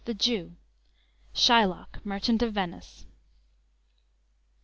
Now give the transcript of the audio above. THE JEW. SHYLOCK. "MERCHANT OF VENICE."